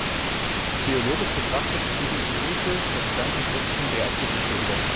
Geologisch betrachtet spiegelt die Insel das ganze Spektrum der Erdgeschichte wider.